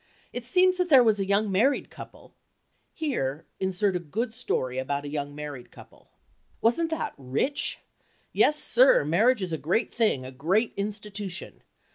It seems that there was a young married couple—(here insert a good story about a young married couple). Wasn't that rich? Yes, sir, marriage is a great thing—a great institution.